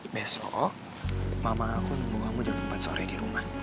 besok mama aku nunggu kamu jam empat sore di rumah